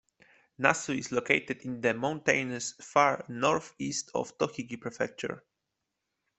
Nasu is located in the mountainous far northeast of Tochigi Prefecture.